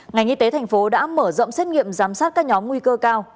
ngành y tế tp hcm đã mở rộng xét nghiệm giám sát các nhóm nguy cơ